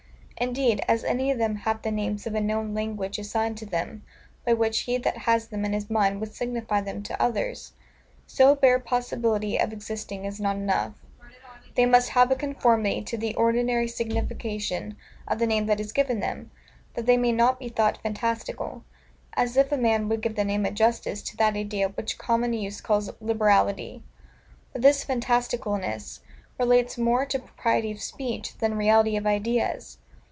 Indeed, as any of them have the names of a known language assigned to them, by which he that has them in his mind would signify them to others, so bare possibility of existing is not enough; they must have a conformity to the ordinary signification of the name that is given them, that they may not be thought fantastical: as if a man would give the name of justice to that idea which common use calls liberality. But this fantasticalness relates more to propriety of speech, than reality of ideas.